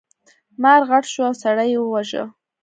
مار غټ شو او سړی یې وواژه.